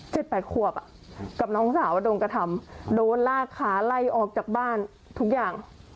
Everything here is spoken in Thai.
แปดขวบอ่ะกับน้องสาวโดนกระทำโดนลากขาไล่ออกจากบ้านทุกอย่าง